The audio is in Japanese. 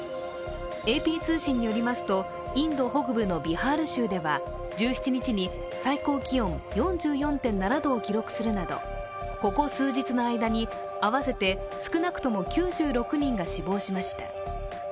ＡＰ通信によりますと、インド北部のビハール州では、１７日に最高気温４４．７度を記録するなどここ数日の間に、合わせて少なくとも９６人が死亡しました。